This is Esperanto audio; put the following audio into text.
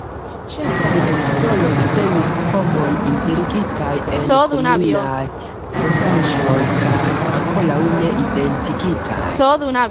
Ĉefaj esploroj temis homoj enterigitaj en komunaj fosaĵoj, kaj ankoraŭ ne identigitaj.